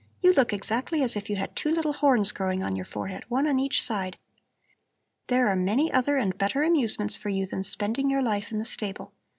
You look exactly as if you had two little horns growing on your forehead, one on each side. There are many other and better amusements for you than spending your life in the stable.